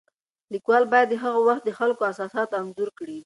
لیکوال باید د هغه وخت د خلکو احساسات انځور کړي.